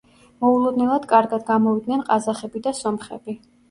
მოულოდნელად კარგად გამოვიდნენ ყაზახები და სომხები.